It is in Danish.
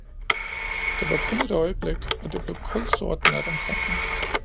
Det var kun et øjeblik og det blev kulsort nat omkring ham.